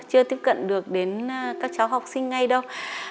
chưa tiếp cận được đến các cháu học sinh ngay đâu